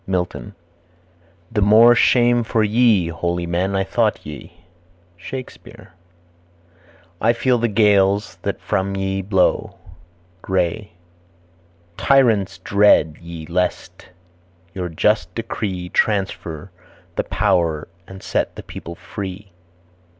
Milton. "The more shame for ye; holy men I thought ye." Shakespeare. "I feel the gales that from ye blow." Gray. "Tyrants dread ye, lest your just decree Transfer the power and set the people free."